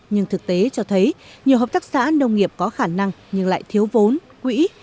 nhưng thực tế cho thấy nhiều hợp tác xã nông nghiệp có khả năng nhưng lại thiếu vốn quỹ